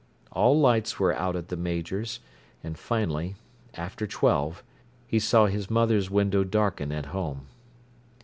All lights were out at the Major's, and finally, after twelve, he saw his mother's window darken at home.